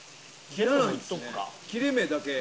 切れ目だけ。